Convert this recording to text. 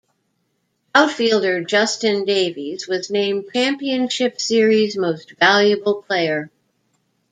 Outfielder Justin Davies was named Championship Series Most Valuable Player.